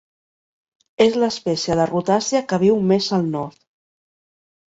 És l'espècie de rutàcia que viu més al nord.